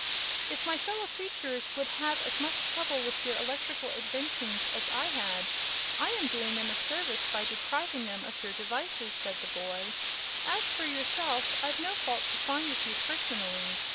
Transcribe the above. "If my fellow creatures would have as much trouble with your electrical inventions as I had, I am doing them a service by depriving them of your devices," said the boy. "As for yourself, I've no fault to find with you, personally.